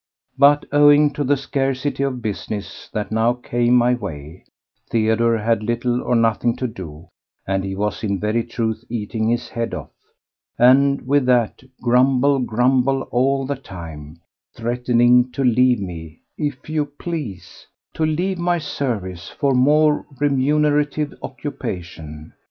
But owing to the scarcity of business that now came my way, Theodore had little or nothing to do, and he was in very truth eating his head off, and with that, grumble, grumble all the time, threatening to leave me, if you please, to leave my service for more remunerative occupation.